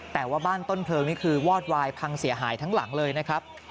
แต่ว่าบ้านต้นเพลิงนี่คือวอดวายพังเสียหายทั้งหลังเลยนะครับ